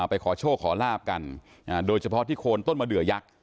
ไปขอโชคขอลาบกันโดยเฉพาะที่โคนต้นมะเดือยักษ์